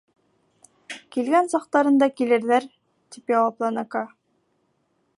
— Килгән саҡтарында килерҙәр, — тип яуапланы Каа.